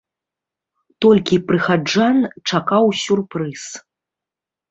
Толькі прыхаджан чакаў сюрпрыз.